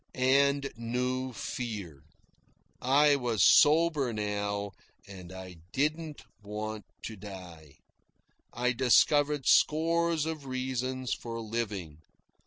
And I knew fear. I was sober now, and I didn't want to die. I discovered scores of reasons for living.